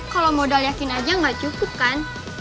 kalau modal yakin aja nggak cukup kan